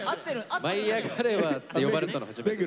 「『舞いあがれ！』は？」って呼ばれたの初めてです。